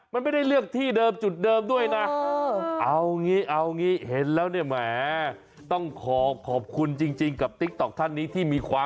บางทีมันไปทางขวา